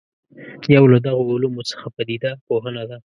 یو له دغو علومو څخه پدیده پوهنه ده.